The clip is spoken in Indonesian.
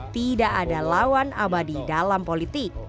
tidak ada lawan abadi dalam politik